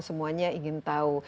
semuanya ingin tahu